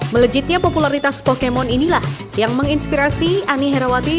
melejitnya popularitas pokemon inilah yang menginspirasi ani herawati